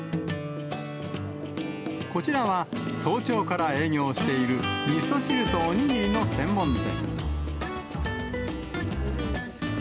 こちらは、早朝から営業しているみそ汁とお握りの専門店。